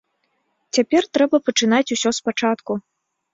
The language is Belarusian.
Цяпер трэба пачынаць усё спачатку.